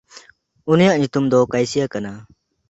ᱩᱱᱤᱭᱟᱜ ᱧᱩᱛᱩᱢ ᱫᱚ ᱠᱟᱭᱥᱤᱭᱟ ᱠᱟᱱᱟ᱾